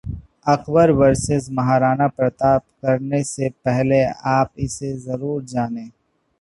Akbar vs Maharana Pratap करने से पहले इसे जरूर जानें